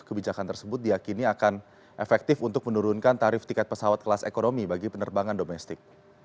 kebijakan tersebut diakini akan efektif untuk menurunkan tarif tiket pesawat kelas ekonomi bagi penerbangan domestik